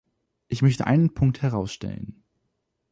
Ich möchte einen Punkt herausstellen.